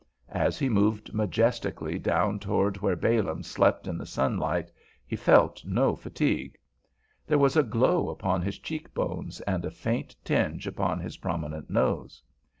As he moved majestically down toward where Balaam slept in the sunlight, he felt no fatigue. There was a glow upon his cheek bones, and a faint tinge upon his prominent nose.